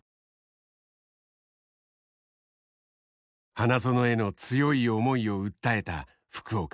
花園への強い思いを訴えた福岡。